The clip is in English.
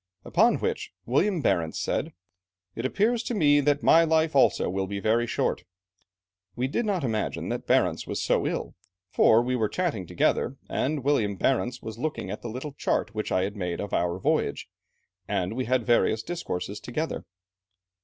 Upon which, William Barentz said, 'It appears to me that my life also will be very short.' We did not imagine that Barentz was so ill, for we were chatting together, and William Barentz was looking at the little chart which I had made of our voyage, and we had various discourses together.